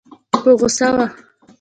په غوسه وه.